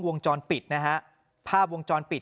วงจรปิดนะฮะภาพวงจรปิด